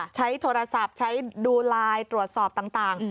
ใช้โทรศัพท์ใช้ดูไลน์ตรวจสอบต่าง